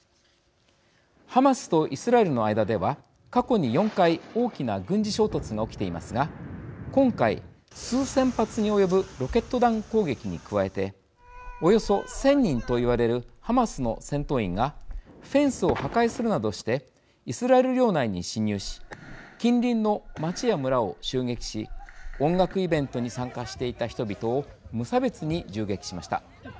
ハマスとイスラエルの間では過去に４回大きな軍事衝突が起きていますが今回、数千発に及ぶロケット弾攻撃に加えておよそ１０００人と言われるハマスの戦闘員がフェンスを破壊するなどしてイスラエル領内に侵入し近隣の町や村を襲撃し音楽イベントに参加していた人々を無差別に銃撃しました。